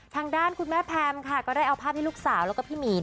ทางด้านคุณแม่แพมค่ะก็ได้เอาภาพให้ลูกสาวแล้วก็พี่หมี